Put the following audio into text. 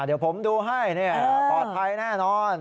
เดี๋ยวผมดูให้ปลอดภัยแน่นอน